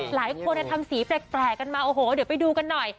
หลายคนทำสีแปลกกันมาโอ้โหเดี๋ยวไปดูกันหน่อย